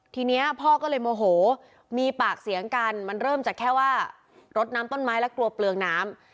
ทีนี้พ่อก็เลยโมโหมีปากเสียงกันมันเริ่มจากแค่ว่ารดน้ำต้นไม้และกลัวเปลืองน้ำ